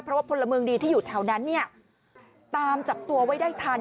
เพราะว่าพลเมืองดีที่อยู่แถวนั้นเนี่ยตามจับตัวไว้ได้ทัน